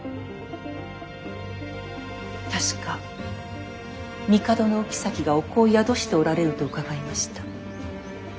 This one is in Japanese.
確か帝のお后が御子を宿しておられると伺いました。